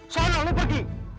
soalnya lu pergi